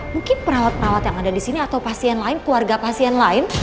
mungkin perawat perawat yang ada di sini atau pasien lain keluarga pasien lain